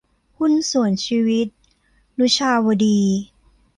หุ้นส่วนชีวิต - นุชาวดี